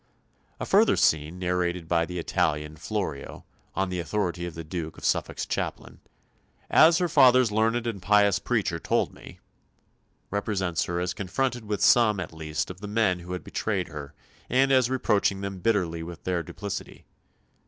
A further scene narrated by the Italian, Florio, on the authority of the Duke of Suffolk's chaplain "as her father's learned and pious preacher told me" represents her as confronted with some at least of the men who had betrayed her, and as reproaching them bitterly with their duplicity.